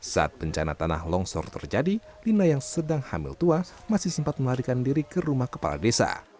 saat bencana tanah longsor terjadi lina yang sedang hamil tua masih sempat melarikan diri ke rumah kepala desa